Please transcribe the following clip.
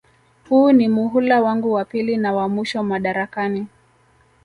Huu ni muhula wangu wa pili na wa mwisho madarakani